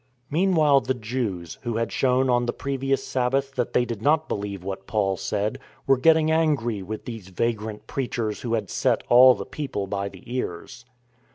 Meanwhile the Jews, who had shown on the previ ous Sabbath that they did not believe what Paul said, were getting angry with these vagrant preachers who had set all the people by the ears.